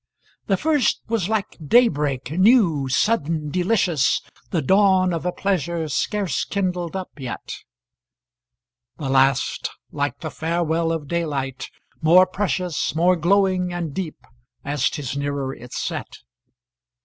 The first was like day break, new, sudden, delicious, The dawn of a pleasure scarce kindled up yet; The last like the farewell of daylight, more precious, More glowing and deep, as 'tis nearer its set.